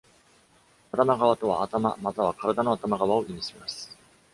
頭側とは、「頭」または「体の頭側」を意味します。